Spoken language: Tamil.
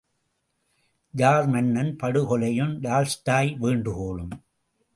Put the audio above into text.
ஜார் மன்னன் படுகொலையும் டால்ஸ்டாய் வேண்டுகோளும்!